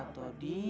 tidak itu dia